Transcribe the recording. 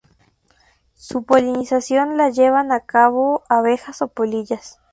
Su polinización la llevan a cabo abejas o polillas.